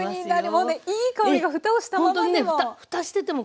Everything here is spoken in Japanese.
もうねいい香りがふたをしたままでも。